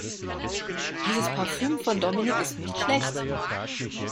Dieses Parfüm von Dominik ist nicht schlecht.